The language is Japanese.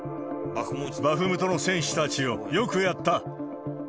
バフムトの戦士たちよ、よくやった！